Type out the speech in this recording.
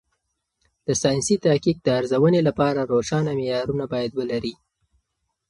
د ساینسي تحقیق د ارزونې لپاره روښانه معیارونه باید ولري.